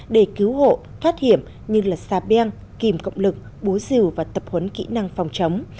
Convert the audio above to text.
để cứu hộ thoát hiểm như là xà beng kìm cộng lực bố rìu và tập huấn kỹ năng phòng chống